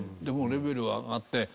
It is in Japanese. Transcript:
でもうレベルは上がって。